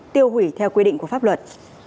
tiêu hủy theo quy định của pháp luật